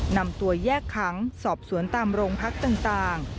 นำตัวแยกขังสอบสวนตามโรงพักต่าง